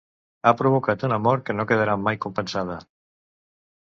Ha provocat una mort que no quedarà mai compensada.